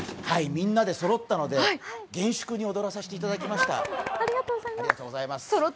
みんなでそろったので厳粛に踊らせていただきました。